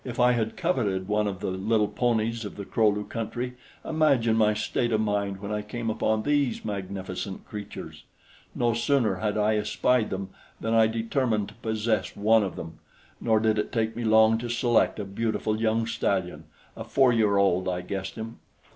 If I had coveted one of the little ponies of the Kro lu country, imagine my state of mind when I came upon these magnificent creatures! No sooner had I espied them than I determined to possess one of them; nor did it take me long to select a beautiful young stallion a four year old, I guessed him.